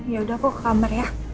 yaudah aku ke kamar ya